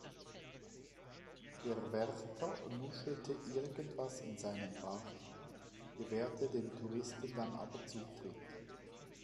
Der Wärter nuschelte irgendwas in seinen Bart, gewährte den Touristen dann aber Zutritt.